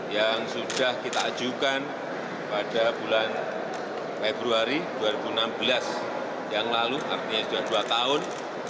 yang sudah kita ajukan pada bulan februari dua ribu enam belas yang lalu artinya sudah dua tahun